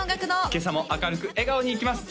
今朝も明るく笑顔にいきます！